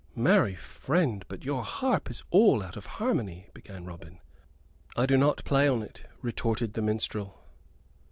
"Marry, friend, but your harp is out of all harmony!" began Robin. "I do not play upon it," retorted the minstrel.